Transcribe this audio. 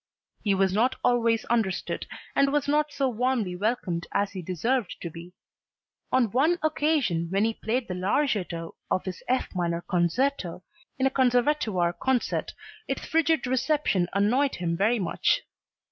He was not always understood and was not so warmly welcomed as he deserved to be; on one occasion when he played the Larghetto of his F minor concerto in a Conservatoire concert, its frigid reception annoyed him very much.